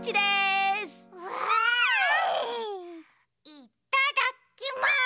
いっただきます！